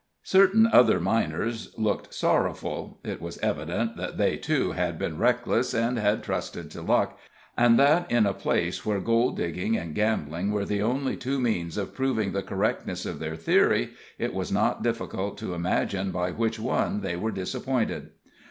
Certain other miners looked sorrowful; it was evident that they, too, had been reckless, and had trusted to luck, and that in a place where gold digging and gambling were the only two means of proving the correctness of their theory, it was not difficult to imagine by which one they were disappointed.